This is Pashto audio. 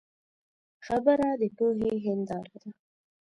خبرې د پوهې هنداره ده